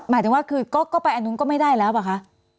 หมายถึงว่าคือก็ไปอันนู้นก็ไม่ได้แล้วป่ะคะ